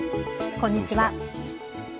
こんにちは。